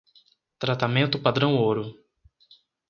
Tratamento padrão-ouro